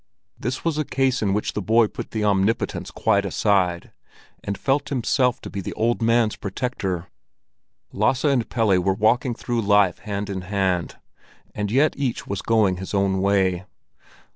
This was a case in which the boy put the omnipotence quite aside, and felt himself to be the old man's protector. Lasse and Pelle were walking through life hand in hand, and yet each was going his own way.